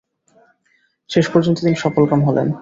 শেষ পর্যন্ত তিনি সফলকাম হলেন।